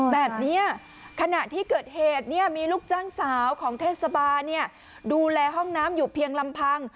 แบบนี้ขณะที่เกิดเหตุมีลูกจ้างสาวของเทศบาลดูแลห้องน้ำอยู่เพียงลำพัง